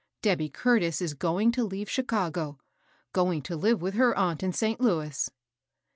Debby Curtis is going to leave Chicago, — going to live with her aunt in St. Louis."